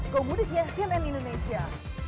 gomudiknya cnn indonesia